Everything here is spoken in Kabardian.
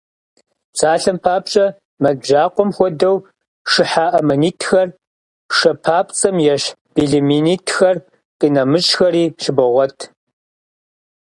Псалъэм папщӀэ, мэл бжьакъуэм хуэдэу шыхьа аммонитхэр, шэ папцӀэм ещхь белемнитхэр, къинэмыщӀхэри щыбогъуэт.